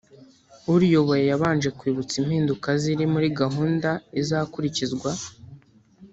uriyoboye yabanje kwibutsa impinduka ziri muri gahunda izakurikizwa